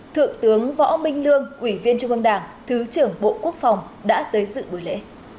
thượng tướng võ minh lương ủy viên trung ương đảng thứ trưởng bộ quốc phòng đã tới dự buổi lễ